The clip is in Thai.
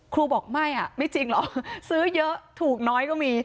ครูบอกไม่อ่ะไม่ไม่จริงหรอกซื้อเยอะถูกน้อยก็มี